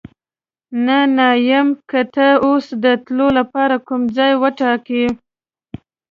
نه، نه یم، که ته اوس د تلو لپاره کوم ځای وټاکې.